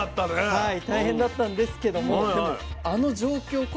はい。